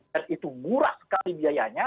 dan itu murah sekali biayanya